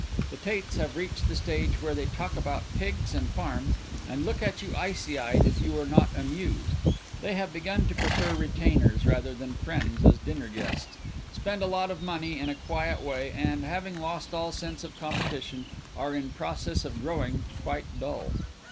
The Tates have reached the stage where they talk about pigs and farms and look at you icy eyed if you are not amused. They have begun to prefer retainers rather than friends as dinner guests, spend a lot of money in a quiet way, and, having lost all sense of competition, are in process of growing quite dull.